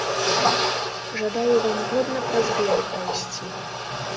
Жадаю вам годна праз беды прайсці.